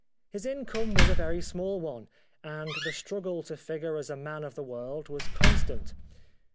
His income was a very small one, and the struggle to figure as a man of the world was constant.